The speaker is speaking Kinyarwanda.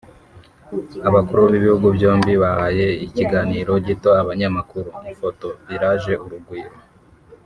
Abakuru b’ibihugu byombi bahaye ikiganiro gito abanyanyamakuru (Ifoto/Village Urugwiro)